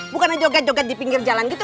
bukan joget joget di pinggir jalan gitu